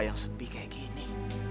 yang sepi kayak gini